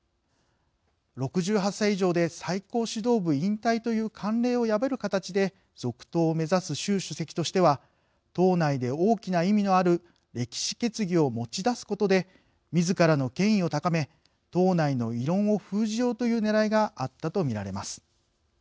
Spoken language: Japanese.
６８歳以上で最高指導部引退という慣例を破る形で続投を目指す習主席としては党内で大きな意味のある歴史決議を持ち出すことでみずからの権威を高め党内の異論を封じようというねらいがあったとみられます。